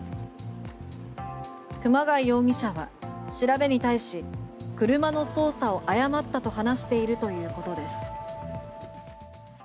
熊谷容疑者は調べに対し車の操作を誤ったと話しているということです。